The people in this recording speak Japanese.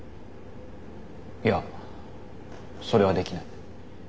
いやそれはできない。